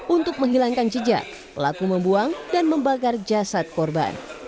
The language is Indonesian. untuk menghilangkan jejak pelaku membuang dan membakar jasad korban